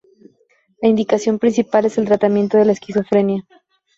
La indicación principal es el tratamiento de la esquizofrenia.